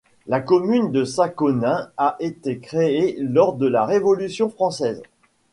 La commune de Saconin a été créée lors de la Révolution française.